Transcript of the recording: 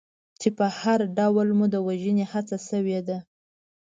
چې په هر ډول مو د وژنې هڅه شوې ده.